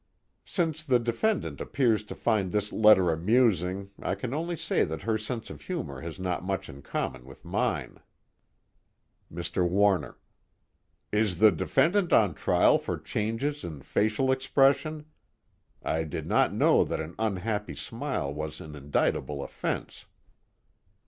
Since the defendant appears to find this letter amusing, I can only say that her sense of humor has not much in common with mine. MR. WARNER: Is the defendant on trial for changes in facial expression? I did not know that an unhappy smile was an indictable offense.